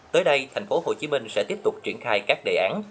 tới đây thành phố hồ chí minh sẽ tiếp tục triển khai các đề án